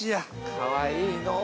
◆かわいいのう。